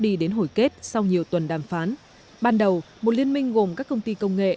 đi đến hồi kết sau nhiều tuần đàm phán ban đầu một liên minh gồm các công ty công nghệ